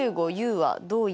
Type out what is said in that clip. はい。